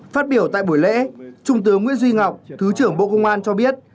phát biểu tại buổi lễ trung tướng nguyễn duy ngọc thứ trưởng bộ công an cho biết